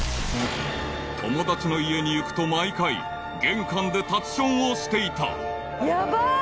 ［友達の家に行くと毎回玄関で立ちションをしていた］